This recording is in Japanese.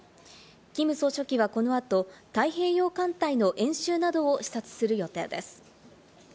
キム総書記はこの後、太平洋艦隊の演習などを視察する予定です。